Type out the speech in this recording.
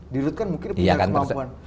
di rut kan mungkin punya kemampuan